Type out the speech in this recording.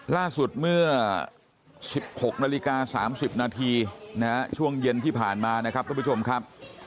ล่าสุดเมื่อ๑๖นาฬิกา๓๐นาทีช่วงเย็นที่ผ่านมานะครับทุกผู้ชมครับ